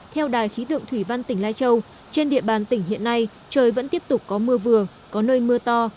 theo đài khí tượng thủy văn tỉnh lai châu trên địa bàn tỉnh hiện nay trời vẫn tiếp tục có mưa vừa có nơi mưa to